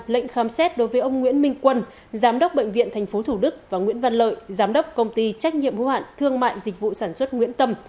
lệnh khám xét đối với ông nguyễn minh quân giám đốc bệnh viện tp thủ đức và nguyễn văn lợi giám đốc công ty trách nhiệm hữu hạn thương mại dịch vụ sản xuất nguyễn tâm